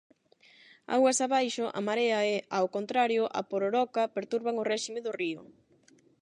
Augas abaixo, a marea e, ao contrario, a pororoca, perturban o réxime do río.